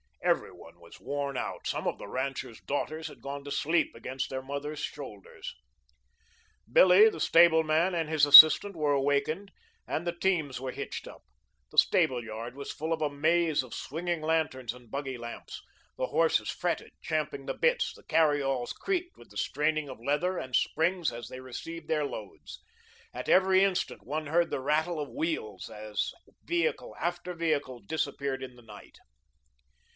Every one was worn out. Some of the ranchers' daughters had gone to sleep against their mothers' shoulders. Billy, the stableman, and his assistant were awakened, and the teams were hitched up. The stable yard was full of a maze of swinging lanterns and buggy lamps. The horses fretted, champing the bits; the carry alls creaked with the straining of leather and springs as they received their loads. At every instant one heard the rattle of wheels as vehicle after vehicle disappeared in the night.